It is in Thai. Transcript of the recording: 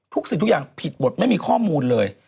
สิ่งทุกอย่างผิดหมดไม่มีข้อมูลเลย